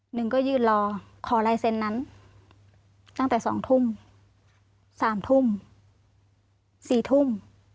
หนึ่งก็ยืนรอขอลายเซ็นต์นั้นตั้งแต่๒ทุ่ม๓ทุ่ม๔ทุ่ม